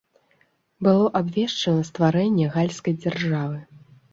Было абвешчана стварэнне гальскай дзяржавы.